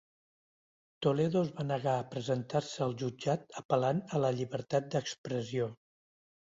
Toledo es va negar a presentar-se al jutjat apel·lant a la llibertat d'expressió.